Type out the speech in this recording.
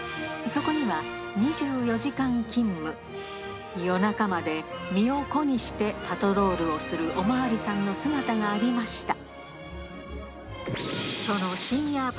そこには２４時間勤務、夜中まで身を粉にしてパトロールをするお巡りさんの姿がありまし